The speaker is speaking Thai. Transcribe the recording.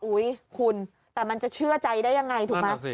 อุ๊ยคุณแต่มันจะเชื่อใจได้ยังไงถูกไหม